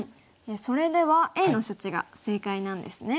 それではＡの処置が正解なんですね。